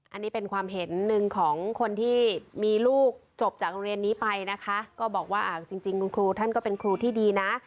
อันนี้เป็นความเห็นหนึ่งของคนที่มีลูกจบจากโรงเรียนนี้ไปนะคะก็บอกว่าจริงคุณครูท่านก็เป็นครูที่ดีนะ